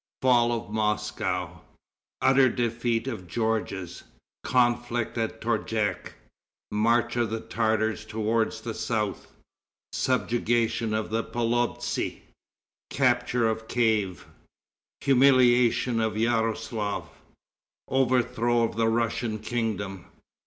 Fall of Moscow. Utter Defeat of Georges. Conflict at Torjek. March of the Tartars Toward the South. Subjugation of the Polovtsi. Capture of Kief. Humiliation of Yaroslaf. Overthrow of the Russian Kingdom.